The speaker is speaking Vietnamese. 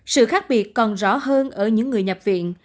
sự khác biệt còn rõ hơn ở những người nhập viện